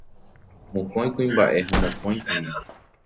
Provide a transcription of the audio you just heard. Mokõi kuimba'e ha mokõi kuña.